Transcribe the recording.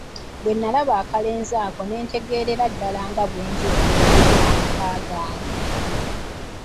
Bwe nalaba akalenzi ako ne ntegeerera ddala nga bwe nja okulekulira amaka gange.